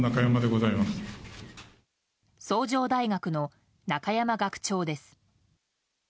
崇城大学の中山学長です。